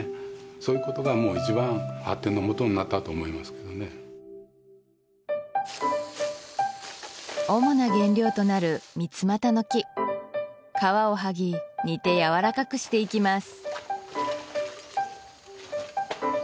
そういうことが一番発展のもとになったと思いますけどね主な原料となるミツマタの木皮をはぎ煮てやわらかくしていきます